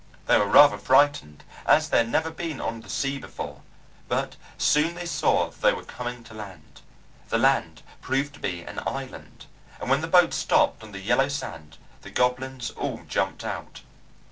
They were rather frightened as they had never been on the sea before, but soon they saw that they were coming to land. The land proved to be an island, and when the boat stopped on the yellow sand the goblins all jumped out.